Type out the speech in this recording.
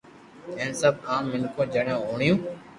ھين سب عام مينکون جيڻي ھوڻيون